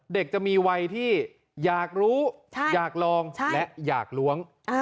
เด็กจะมีวัยที่อยากรู้อยากลองและอยากล้วง